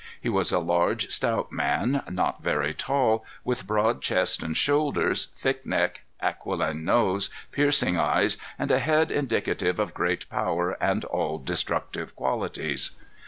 He was a large, stout man, not very tall, with broad chest and shoulders, thick neck, aquiline nose, piercing eyes, and a head indicative of great power and all destructive qualities.